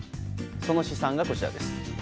その試算がこちらです。